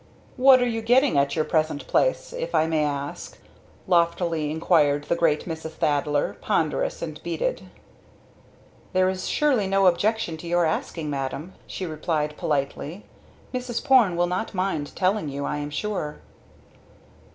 "What are you getting at your present place if I may ask?" loftily inquired the great Mrs. Thaddler, ponderous and beaded. "There is surely no objection to your asking, madam," she replied politely. "Mrs. Porne will not mind telling you, I am sure."